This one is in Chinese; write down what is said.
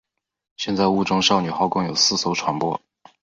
现在雾中少女号共有四艘船舶。